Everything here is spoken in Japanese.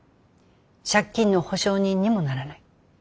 借金の保証人にもならない。